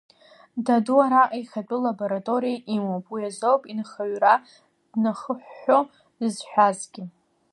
Даду араҟа ихатәы лабораториа имоуп, уи азоуп инхаҩра днахыҳәҳәо зысҳәазгьы.